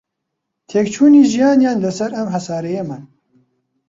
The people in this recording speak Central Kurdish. تێکچوونی ژیانیان لەسەر ئەم هەسارەیەمان